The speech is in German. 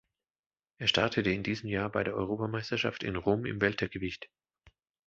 Er startete in diesem Jahr bei der Europameisterschaft in Rom im Weltergewicht.